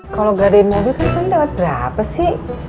kalau gadein mobil kan dapat berapa sih